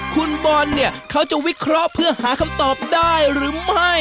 คุณบอลเนี่ยเขาจะวิเคราะห์เพื่อหาคำตอบได้หรือไม่